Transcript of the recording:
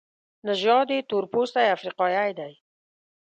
نژاد یې تورپوستی افریقایی دی.